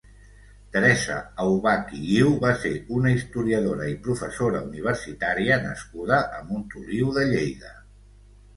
Teresa Aubach i Guiu va ser una historiador i professora universitària nascuda a Montoliu de Lleida.